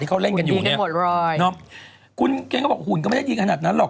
ที่เขาเล่นกันอยู่เนี่ยหุ่นดีกันหมดร้อยเนาะคุณเค้าบอกหุ่นก็ไม่ได้ดีขนาดนั้นหรอก